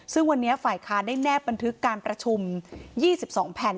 ซึ่งวันนี้ฝ่ายค้านได้แนบบันทึกการประชุม๒๒แผ่น